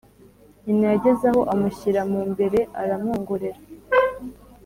Nyina yageze aho amushyira mu mbere aramwongorera